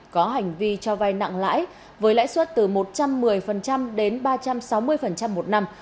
có hành vi cho vay nặng lãi với lãi suất từ một trăm một mươi đến ba trăm sáu mươi một năm